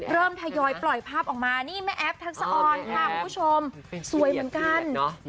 ทยอยปล่อยภาพออกมานี่แม่แอฟทักษะออนค่ะคุณผู้ชมสวยเหมือนกัน